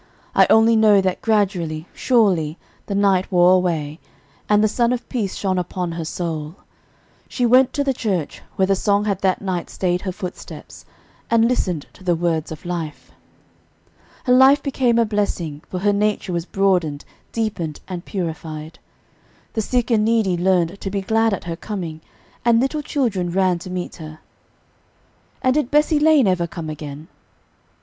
I only know that gradually, surely, the night wore away, and the Sun of peace shone upon her soul. She went to the church, where the song had that night staid her footsteps, and listened to the words of life. Her life became a blessing; for her nature was broadened, deepened and purified. The sick and needy learned to be glad at her coming, and little children ran to meet her. And did Bessie Lane ever come again?